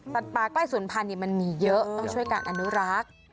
สัตว์ป่ากล้ายสวนพันธุ์มันมีเยอะต้องช่วยการอนุรักษ์